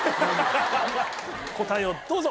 答えをどうぞ！